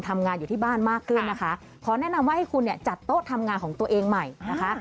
ทำงานอยู่ที่บ้านมากขึ้นนะคะขอแนะนำว่าให้คุณเนี่ยจัดโต๊ะทำงานของตัวเองใหม่นะคะ